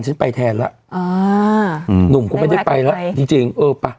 หนุ่มก็ไม่ได้ไปแล้วจริงเออป่ะ